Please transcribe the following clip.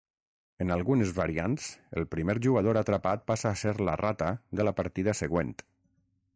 En algunes variants el primer jugador atrapat passa a ser "la rata" de la partida següent.